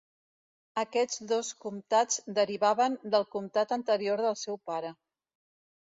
Aquests dos comtats derivaven del comtat anterior del seu pare.